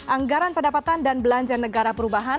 anggaran pendapatan dan belanja negara perubahan